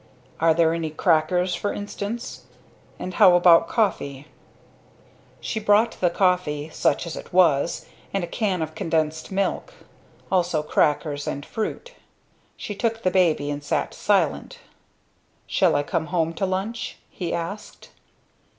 "Are there any crackers for instance? And how about coffee?" She brought the coffee, such as it was, and a can of condensed milk. Also crackers, and fruit. She took the baby and sat silent. "Shall I come home to lunch?" he asked.